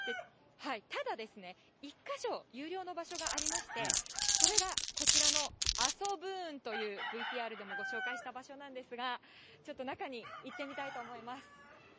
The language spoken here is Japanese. ただ、１か所、有料の場所がありまして、それがこちらのアソブーンというＶＴＲでもご紹介した場所なんですが、ちょっと中に行ってみたいと思います。